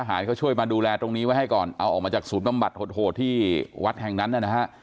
หายเขาช่วยมาดูแลตรงนี้ไว้ให้ก่อนเอาออกมาจากศูนย์บำบัดโหดที่วัดแห่งนั้นนะฮะ